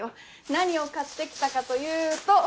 何を買ってきたかというと。